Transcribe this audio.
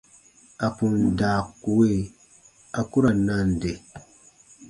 À kun daa kue, a ku ra nande.